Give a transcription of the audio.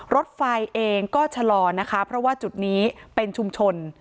รถไฟเองก็ชะลอนะคะเพราะว่าจุดนี้เป็นชุมชน